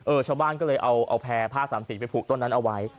ชาวบ้านก็เลยเอาแพร่ผ้าสามสีไปผูกต้นนั้นเอาไว้